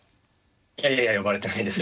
いやいやいや呼ばれてないです